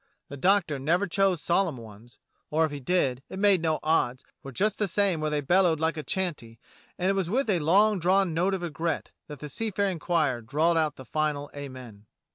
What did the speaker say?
The Doctor never chose solemn ones, or, if he did, it made no odds, for just the same were they bellowed like a chanty, and it was with a long drawn note of regret that the seafaring choir drawled out the final Amen.